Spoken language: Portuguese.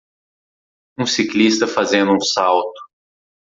Um ciclista fazendo um salto.